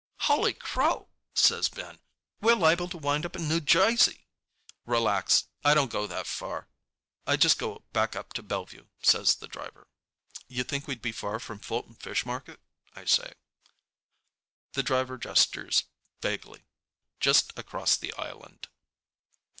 "Holy crow!" says Ben. "We're liable to wind up in New Jersey." "Relax. I don't go that far. I just go back up to Bellevue," says the driver. "You think we'd be far from Fulton Fish Market?" I say. The driver gestures vaguely. "Just across the island."